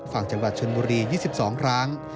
ฝั่งจังหวัดชนบุรี๒๒ครั้ง